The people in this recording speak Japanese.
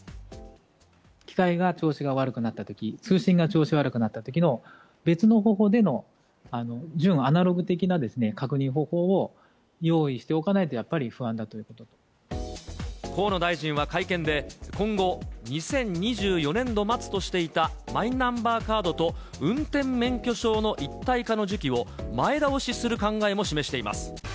機械が調子が悪くなったとき、通信が調子悪くなったときの、別の方法での純アナログ的な確認方法を用意しておかないと、河野大臣は会見で、今後、２０２４年度末としていた、マイナンバーカードと運転免許証の一体化の時期を前倒しする考えも示しています。